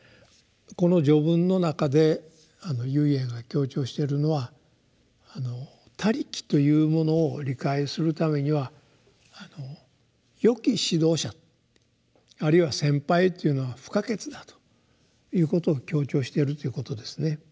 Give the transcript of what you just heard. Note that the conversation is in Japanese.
この「序文」の中で唯円が強調してるのは「他力」というものを理解するためにはよき指導者あるいは先輩というのは不可欠だということを強調しているということですね。